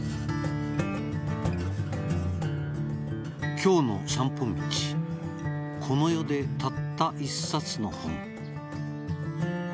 「京の散歩道」「『この世でたった一冊の本』」